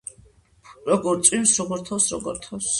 როგორ წვიმს როგორ თოვ როგორთოვს